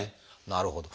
なるほど。